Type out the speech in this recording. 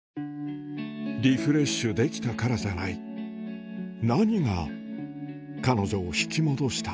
リフレッシュできたからじゃない、何が彼女を引き戻した？